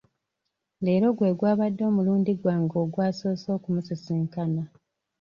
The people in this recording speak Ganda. Leero gwe gwabadde omulundi gwange ogwasoose okumusisinkana.